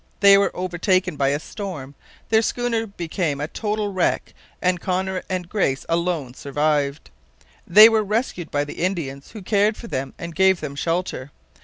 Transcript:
They were overtaken by a storm, their schooner became a total wreck, and Connor and Grace alone survived. They were rescued by the Indians, who cared for them and gave them shelter.